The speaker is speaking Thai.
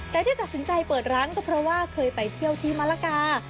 แต่ที่ตัดสินใจเปิดร้านก็เพราะว่าเคยไปเที่ยวที่มะละกา